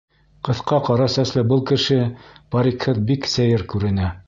Ҡыҫҡа ҡара сәсле был кеше парикһыҙ бик сәйер күренә.